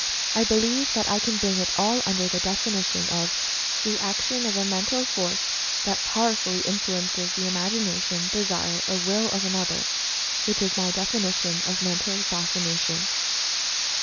I believe that I can bring it all under the definition of "The action of a Mental Force that powerfully influences the imagina tion, desire, or will of another"— which is my defini tion of "Mental Fascination."